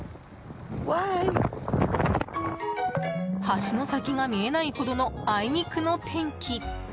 橋の先が見えないほどのあいにくの天気。